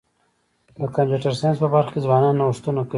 د کمپیوټر ساینس په برخه کي ځوانان نوښتونه کوي.